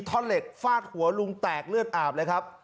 ท่อนเหล็กฟาดหัวลุงแตกเลือดอาบเลยครับ